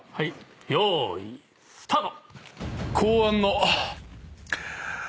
よーいスタート！